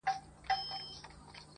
پر هر ګام باندي لحد او کفن زما دی؛